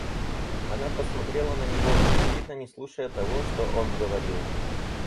Она посмотрела на него, очевидно не слушая того, что он говорил.